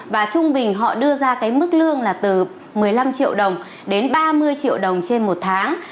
và trung bình họ đưa ra cái mức lương là từ một mươi năm triệu đồng đến ba mươi triệu đồng trên một tháng